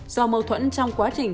do mâu thuẫn trong quá trình